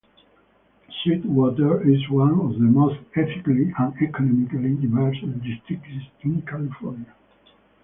Sweetwater is one of the most ethnically and economically diverse districts in California.